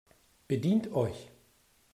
Bedient euch!